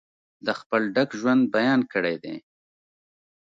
د خپل ډک ژوند بیان کړی دی.